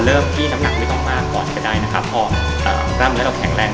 เริ่มที่น้ำหนักไม่ต้องมากก่อนก็ได้นะครับพอร่ำแล้วเราแข็งแรง